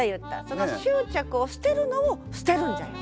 その執着を捨てるのを捨てるんじゃよ。